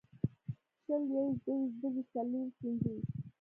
شل یوویشت دوهویشت درویشت څلېرویشت پنځهویشت